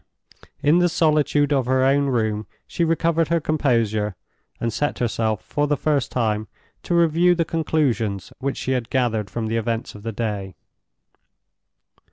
In the solitude of her own room she recovered her composure, and set herself for the first time to review the conclusions which she had gathered from the events of the day.